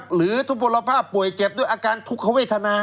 หรือทุกบลภาพป่วยเจ็บด้วยอาการทุกขเวทนา